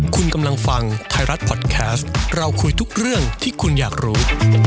คุณกำลังฟังไทยรัฐพอดแคสต์เราคุยทุกเรื่องที่คุณอยากรู้